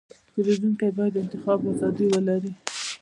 پیرودونکی باید د انتخاب ازادي ولري.